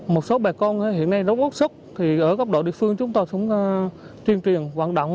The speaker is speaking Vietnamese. một số bà con hiện nay nó bốc sốc thì ở góc độ địa phương chúng tôi xuống truyền truyền hoạt động